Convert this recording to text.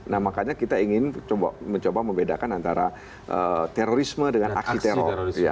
nah makanya kita ingin mencoba membedakan antara terorisme dengan aksi teror